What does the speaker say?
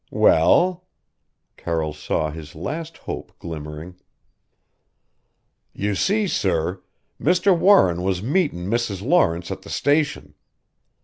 "Well?" Carroll saw his last hope glimmering. "You see, sir Mr. Warren was meetin' Mrs. Lawrence at the station.